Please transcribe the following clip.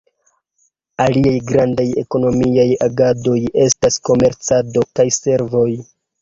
Aliaj gravaj ekonomiaj agadoj estas komercado kaj servoj.